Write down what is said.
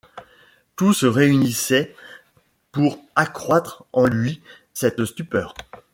Tout se réunissait pour accroître en lui cette stupeur.